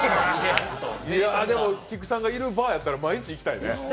菊池さんがいるバーやったら毎日行きたいね。